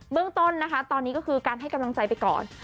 เรื่องต้นนะคะตอนนี้ก็คือการให้กำลังใจไปก่อน